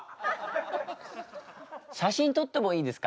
写真撮ってもいいですか？